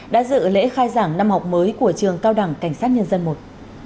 đã dự lễ khai giảng năm học mới của trường cao đẳng cảnh sát nhân dân i